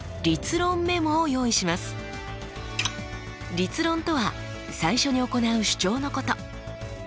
立論とは最初に行う主張のこと。